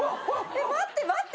待って待って！